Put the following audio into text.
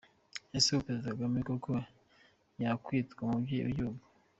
Ese ubu Perezida Kagame koko yakwitwa umubyeyi w’igihugu!!